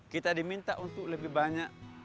kita diminta untuk lebih banyak